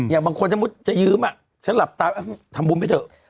อย่างบางคนถ้ามุติจะยืมฉันหลับตาทำบุญไปเถอะ